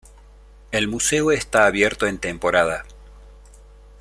El museo está abierto en temporada.